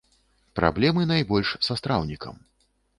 Праблемы найбольш са страўнікам.